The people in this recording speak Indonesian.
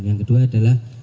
yang kedua adalah